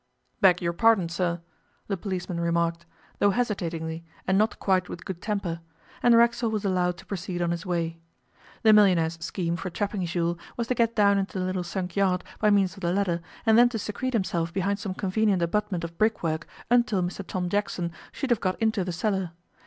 'Beg your pardon, sir,' the policeman remarked, though hesitatingly and not quite with good temper, and Racksole was allowed to proceed on his way. The millionaire's scheme for trapping Jules was to get down into the little sunk yard by means of the ladder, and then to secrete himself behind some convenient abutment of brickwork until Mr Tom Jackson should have got into the cellar.